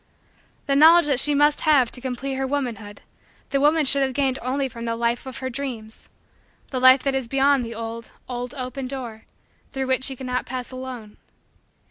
The knowledge that she must have to complete her womanhood the woman should have gained only from the life of her dreams the life that is beyond that old, old, open door through which she could not pass alone.